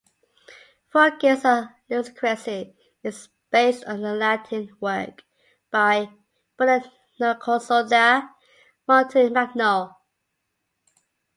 "Fulgens and Lucrece" is based on a Latin work by Buonaccorso da Montemagno.